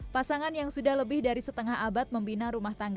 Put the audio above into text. pasangan yang sudah lebih dari setengah abad membina rumah tangga